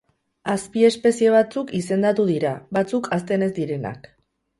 Azpiespezie batzuk izendatu dira; batzuk hazten ez direnak.